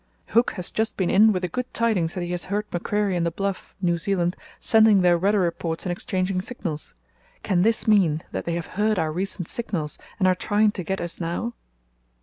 —Hooke has just been in with the good tidings that he has heard Macquarie and the Bluff (New Zealand) sending their weather reports and exchanging signals. Can this mean that they have heard our recent signals and are trying to get us now?